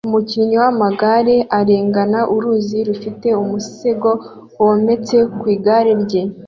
Umukinnyi w'amagare arengana uruzi rufite umusego wometse ku igare rye